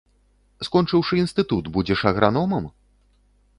Скончыўшы інстытут, будзеш аграномам?